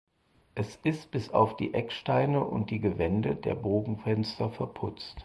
Es ist bis auf die Ecksteine und die Gewände der Bogenfenster verputzt.